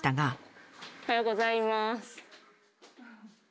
おはようございます。